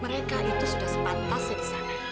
mereka itu sudah sepatasnya disana